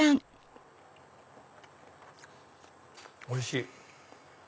おいしい！